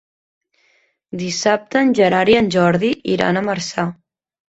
Dissabte en Gerard i en Jordi iran a Marçà.